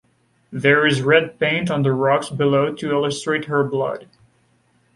There is red paint on the rocks below to illustrate her blood.